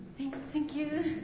センキュー。